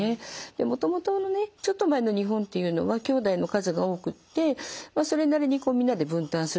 もともとのねちょっと前の日本っていうのはきょうだいの数が多くってそれなりにみんなで分担することも。